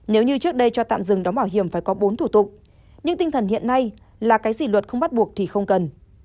nếu như trước đây cho tạm dừng đóng bảo hiểm phải có bốn thủ tục nhưng tinh thần hiện nay là cái gì luật không bắt buộc thì không cần